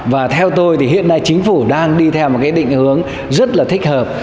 và theo tôi thì hiện nay chính phủ đang đi theo một cái định hướng rất là thích hợp